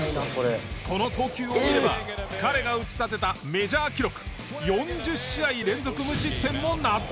この投球を見れば彼が打ち立てたメジャー記録４０試合連続無失点も納得。